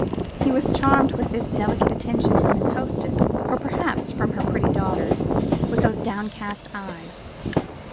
He was charmed with this delicate attention from his hostess, or perhaps from her pretty daughter with those downcast eyes.